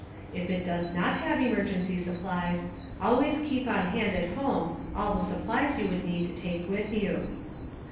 If it does not have emergency supplies, always keep on hand at home all the supplies you would need to take with you.